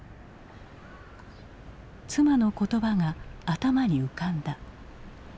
妻の言葉が頭に浮かんだ。